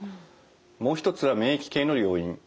もう一つは免疫系の要因。